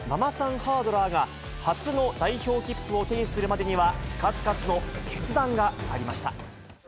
ハードラーが、初の代表切符を手にするまでには、数々の決断がありました。